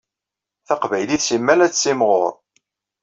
Taqbaylit simmal ad tettimɣuṛ.